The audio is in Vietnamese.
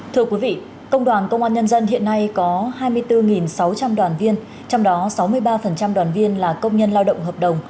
thưa quý vị công đoàn công an nhân dân hiện nay có hai mươi bốn sáu trăm linh đoàn viên trong đó sáu mươi ba đoàn viên là công nhân lao động hợp đồng